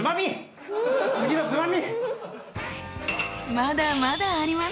まだまだあります。